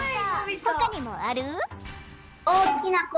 ほかにもある？